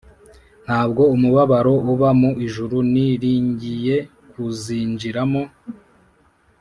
Ntabwo umubabaro uba mu ijuru ni ringiye kuzi njiramo